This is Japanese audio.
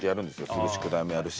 すぐ宿題もやるし。